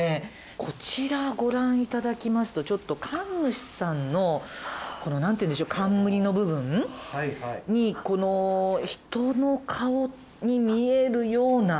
こちらご覧頂きますとちょっと神主さんのなんていうんでしょう冠の部分に人の顔に見えるような。